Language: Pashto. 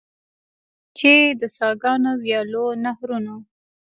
چې د څاګانو، ویالو، نهرونو.